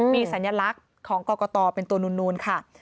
มีสัญลักษณ์ของกรกตเป็นตัวนูนค่ะ